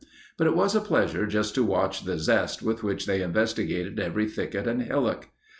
But it was a pleasure just to watch the zest with which they investigated every thicket and hillock.